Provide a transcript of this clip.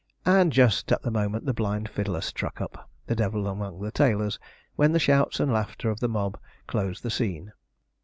And just at the moment the blind fiddler struck up 'The Devil among the Tailors,' when the shouts and laughter of the mob closed the scene.